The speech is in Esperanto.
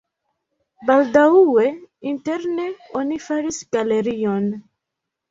Baldaŭe interne oni faris galerion.